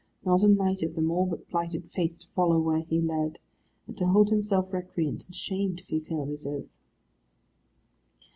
Not a knight of them all but plighted faith to follow where he led, and to hold himself recreant and shamed if he failed his oath.